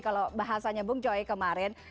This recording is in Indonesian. kalau bahasanya bung joy kemarin